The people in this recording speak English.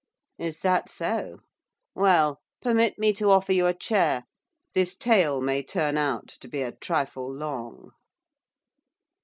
'Is that so? Well! Permit me to offer you a chair, this tale may turn out to be a trifle long.